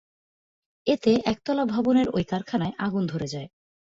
এতে একতলা ভবনের ওই কারখানায় আগুন ধরে যায়।